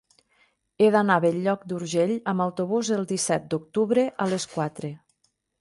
He d'anar a Bell-lloc d'Urgell amb autobús el disset d'octubre a les quatre.